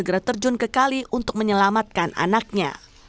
segera terjun ke kali untuk menyelamatkan anaknya